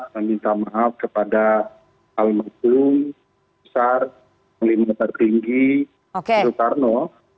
meminta maaf kepada almatum besar kelima tertinggi soekarno